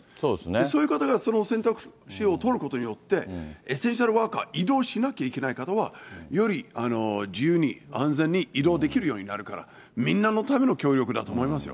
そういう方がその選択肢を取ることによって、エッセンシャルワーカー、移動しなきゃいけない方は、より自由に安全に移動できるようになるから、みんなのための協力だと思いますよ。